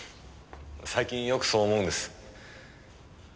最近よくそう思うんです。